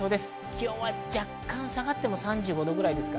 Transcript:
気温は若干下がっても３５度ぐらいです。